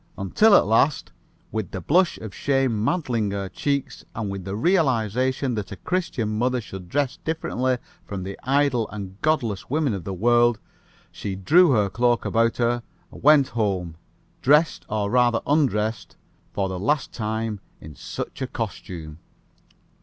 until at last, with the blush of shame mantling to her cheeks, and with the realization that a Christian mother should dress differently from the idle and godless women of the world, she drew her cloak about her and went home, dressed or rather undressed for the last time in such a costume!"